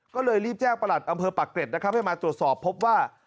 ก็เลยรีบแจ้งประหลัดอำเภอปักเกร็ดนะครับให้มาตรวจสอบพบว่า